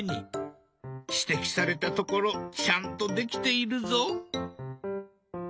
指摘されたところちゃんとできているぞ。